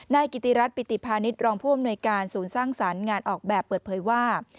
กิติรัฐปิติพาณิชย์รองผู้อำนวยการศูนย์สร้างสรรค์งานออกแบบเปิดเผยว่า